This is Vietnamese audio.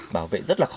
bảo vệ rất là khó